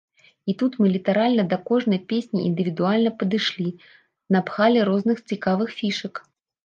І тут мы літаральна да кожнай песні індывідуальна падышлі, напхалі розных цікавых фішак.